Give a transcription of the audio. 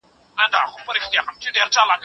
هغه ځواني وه ولاړه تیره سوله